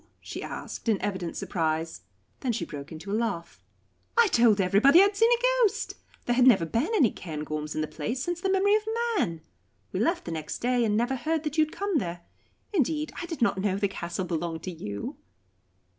she asked, in evident surprise. Then she broke into a laugh. "I told everybody I had seen a ghost; there had never been any Cairngorms in the place since the memory of man. We left the next day, and never heard that you had come there; indeed, I did not know the castle belonged to you."